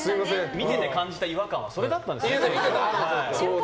見てて感じた違和感はそれだったんですね。